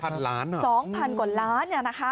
สองพันล้านเหรอครับสองพันกว่าล้านน่ะนะคะ